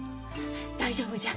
大丈夫じゃ。